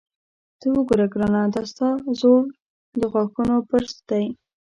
ته وګوره ګرانه، دا ستا زوړ د غاښونو برس دی.